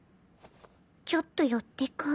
ちょっと寄ってく？